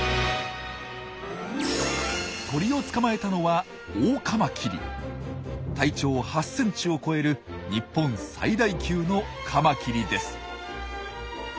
鳥を捕まえたのは体長８センチを超える日本最大級のカマキリです。